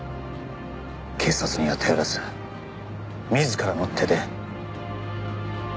警察には頼らず自らの手で。